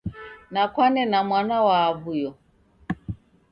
Nakwane na mwana wa awuyo